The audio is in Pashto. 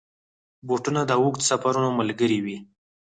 بوټونه د اوږدو سفرونو ملګري وي.